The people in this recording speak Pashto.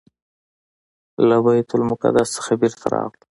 له بیت المقدس نه بیرته راغلو.